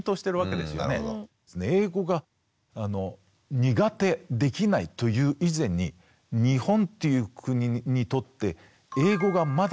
英語が「苦手」「できない」という以前に日本という国にとって英語がまだ必然になってないんだな